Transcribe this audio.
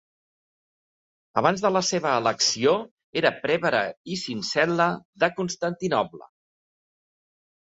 Abans de la seva elecció era prevere i sincel·le de Constantinoble.